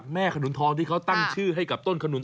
แม่ขนุนต้นนี้อืม